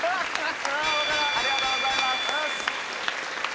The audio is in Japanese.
ありがとうございます。